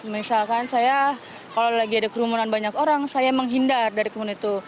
misalkan saya kalau lagi ada kerumunan banyak orang saya menghindar dari kemun itu